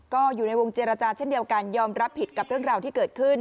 ก็อยู่ในวงเจรจาเช่นเดียวกันยอมรับผิดกับเรื่องราวที่เกิดขึ้น